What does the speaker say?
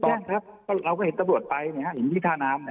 โหแจ้งครับก็เราก็เห็นตำรวจไปเห็นพี่ทานาม